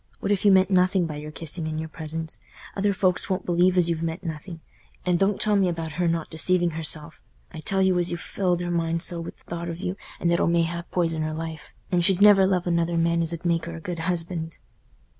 What if you meant nothing by your kissing and your presents? Other folks won't believe as you've meant nothing; and don't tell me about her not deceiving herself. I tell you as you've filled her mind so with the thought of you as it'll mayhap poison her life, and she'll never love another man as 'ud make her a good husband."